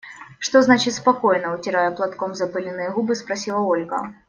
– Что значит «спокойно»? – утирая платком запыленные губы, спросила Ольга.